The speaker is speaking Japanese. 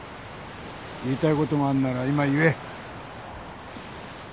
言いたいことがあるなら今言え。